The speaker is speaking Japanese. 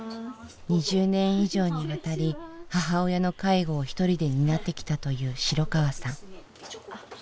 ２０年以上にわたり母親の介護をひとりで担ってきたという城川さん。